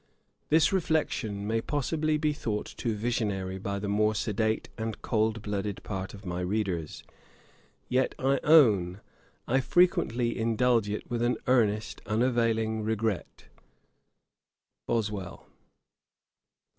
This reflection may possibly be thought too visionary by the more sedate and cold blooded part of my readers; yet I own, I frequently indulge it with an earnest, unavailing regret. BOSWELL.